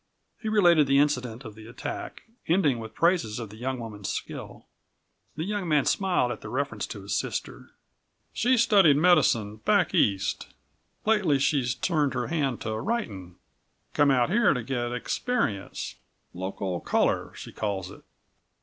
He related the incident of the attack, ending with praises of the young woman's skill. The young man smiled at the reference to his sister. "She's studied medicine back East. Lately she's turned her hand to writin'. Come out here to get experience local color, she calls it."